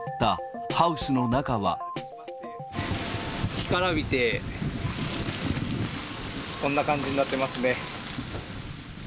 干からびて、こんな感じになってますね。